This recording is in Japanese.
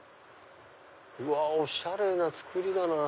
うわおしゃれな造りだなぁ。